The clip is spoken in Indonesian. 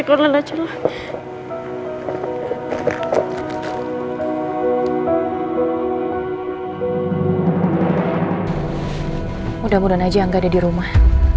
udah mudah mudahan aja angga ada di rumah